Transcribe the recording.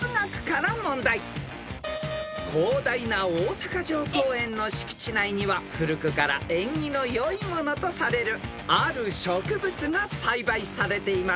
［広大な大阪城公園の敷地内には古くから縁起のよいものとされるある植物が栽培されています］